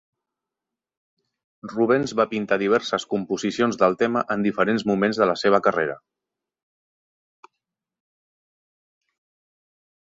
Rubens va pintar diverses composicions del tema en diferents moments de la seva carrera.